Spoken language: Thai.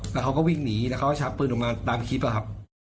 แล้วเขาก็วิ่งหนีแล้วเขาก็ชักปืนออกมาตามคลิปอะครับ